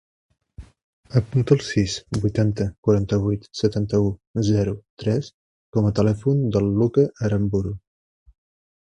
Apunta el sis, vuitanta, quaranta-vuit, setanta-u, zero, tres com a telèfon del Lucca Aramburu.